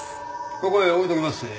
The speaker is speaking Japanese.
ここへ置いときまっせ。